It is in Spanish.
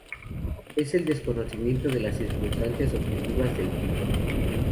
Es el desconocimiento de las circunstancias objetivas del tipo.